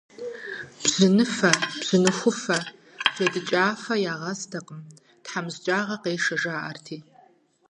Бжьыныфэ, бжьыныхуфэ, джэдыкӀафэ ягъэстэкъым, тхьэмыщкӀагъэ къешэ, жаӀэрти.